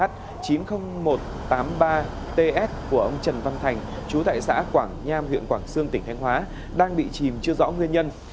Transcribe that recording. chín mươi nghìn một trăm tám mươi ba ts của ông trần văn thành chú tại xã quảng nham huyện quảng sương tỉnh thanh hóa đang bị chìm chưa rõ nguyên nhân